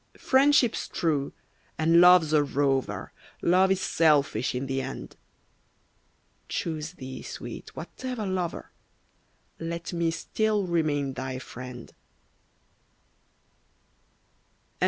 Friendship's true, and Love's a rover, Love is selfish in the end. Choose thee, Sweet, whatever lover, Let me still remain thy friend.